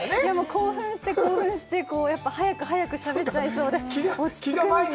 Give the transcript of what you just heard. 興奮して、興奮して、早く早くしゃべっちゃいそうで、落ちつくように。